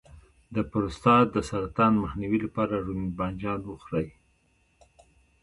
د پروستات د سرطان مخنیوي لپاره رومي بانجان وخورئ